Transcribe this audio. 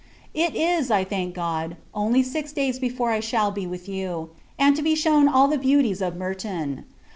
It is, I thank God, only six days before I shall be with you, and to be shewn all the beauties of Merton.